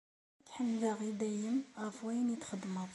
Ad k-ḥemdeɣ i dayem ɣef wayen i txeddmeḍ.